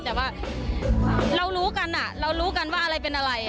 แต่ว่าเรารู้กันเรารู้กันว่าอะไรเป็นอะไร